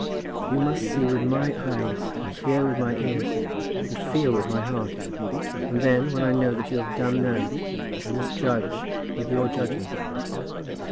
You must see with my eyes, and hear with my ears, and feel with my heart; and then, when I know that you have done that, I must judge with your judgment."